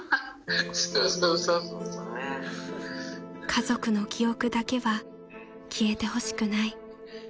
［家族の記憶だけは消えてほしくない］